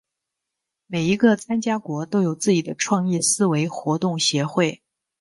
每一个参加国都有自己的创意思维活动协会。